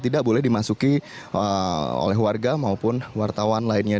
tidak boleh dimasuki oleh warga maupun wartawan lainnya